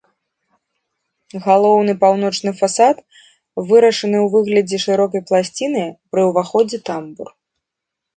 Галоўны паўночны фасад вырашаны ў выглядзе шырокай пласціны, пры ўваходзе тамбур.